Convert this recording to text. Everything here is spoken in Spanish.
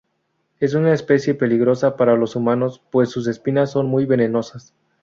Es una especie peligrosa para los humanos, pues sus espinas son muy venenosas.